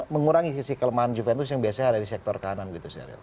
mengurangi sisi kelemahan juventus yang biasanya ada di sektor kanan gitu sheryl